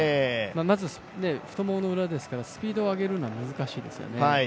まず太ももの裏ですからスピードを上げるのは難しいですよね。